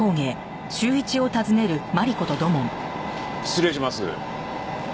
失礼します。